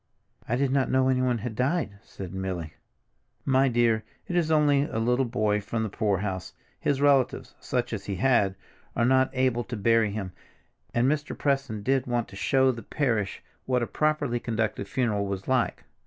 "I did not know anyone had died," said Milly. "My dear, it's only a little boy from the poorhouse. His relatives—such as he had—are not able to bury him, and Mr. Preston did want to show the parish what a properly conducted funeral was like.